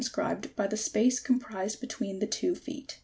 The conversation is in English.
107 scribed by the space comprised between the two feet.